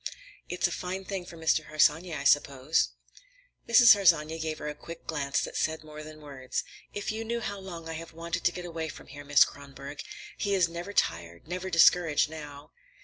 It's a fine thing for Mr. Harsanyi, I suppose." Mrs. Harsanyi gave her a quick glance that said more than words. "If you knew how long I have wanted to get him away from here, Miss Kronborg! He is never tired, never discouraged, now."